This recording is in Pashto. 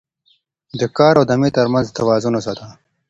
د کار او دمې ترمنځ توازن وساته